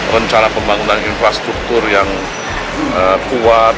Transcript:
rencana pembangunan infrastruktur yang kuat